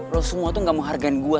lo semua tuh gak menghargain gue